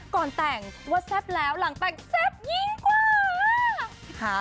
ก่อนแต่งว่าแซ่บแล้วหลังแต่งแซ่บยิ่งกว่า